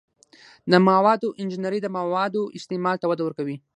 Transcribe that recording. د موادو انجنیری د موادو استعمال ته وده ورکوي.